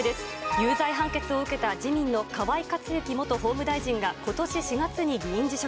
有罪判決を受けた自民の河井克行元法務大臣がことし４月に議員辞職。